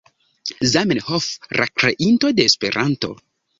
Zamenhof, la kreinto de Esperanto.